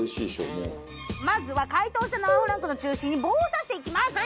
まずは解凍した生フランクの中心に棒を刺していきます。